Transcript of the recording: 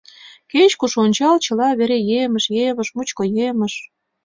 Кеч-куш ончал — чыла вере емыж, емыж, мучко емыж...